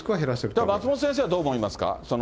だから松本先生はどう思いますか？